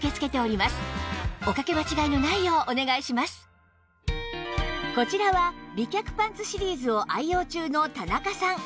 さらにこちらは美脚パンツシリーズを愛用中の田中さん